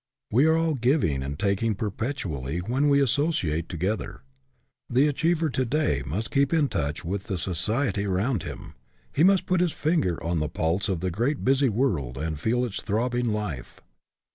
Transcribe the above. We are all giving and taking perpetually when we associate together. The achiever to day must keep in touch with the so ciety around him ; he must put his finger on the pulse of the great busy world and feel its throbbing life.